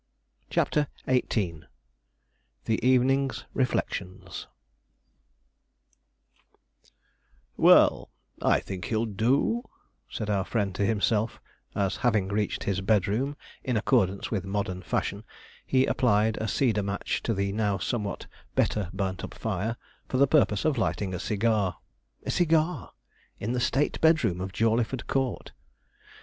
CHAPTER XVIII THE EVENING'S REFLECTIONS 'Well, I think he'll do,' said our friend to himself, as having reached his bedroom, in accordance with modern fashion, he applied a cedar match to the now somewhat better burnt up fire, for the purpose of lighting a cigar a cigar! in the state bedroom of Jawleyford Court.